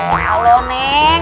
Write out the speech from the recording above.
ya allah men